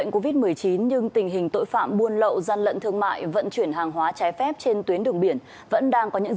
cảm ơn chị đinh hạnh